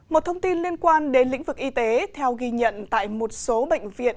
một thông tin liên quan đến lĩnh vực y tế theo ghi nhận tại một số bệnh viện